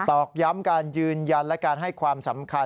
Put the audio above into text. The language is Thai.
ตอกย้ำการยืนยันและการให้ความสำคัญ